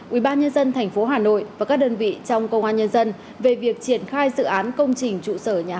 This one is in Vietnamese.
ubnd tp hà nội và các đơn vị trong công an nhân dân về việc triển khai dự án công trình trụ sở nhà hát công an nhân dân